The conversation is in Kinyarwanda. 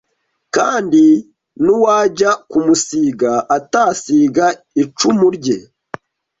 kandi n’uwajya kumusiga atasiga icumu rye